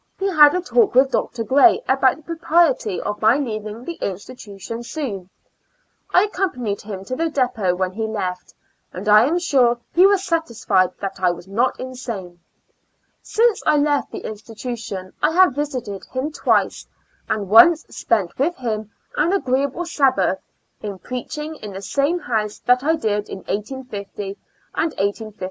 He had a talk with Dr. Gray about the propriety of my leaving the institution soon. I accompa nied him to the depot when he left, and I am sure he was satisfied that I was not insane. Since I left the institution I have visited him twice, and once spent with him an agreeable Sabbath, in preaching in the same house that I did in 1850 and 1851. IN A L UNA TIC ASYL U3I.